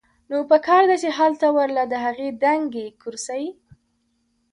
نو پکار ده چې هلته ورله د هغې دنګې کرسۍ